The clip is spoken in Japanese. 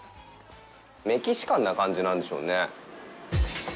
メキシカンな感じなんでしょうね。